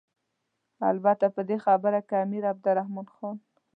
البته په دې برخه کې امیر عبدالرحمن خان.